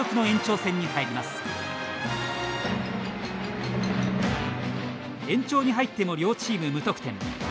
延長に入っても両チーム無得点。